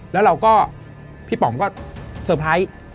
แล้วเราก็พี่ป๋องก็เซอร์ไพรส์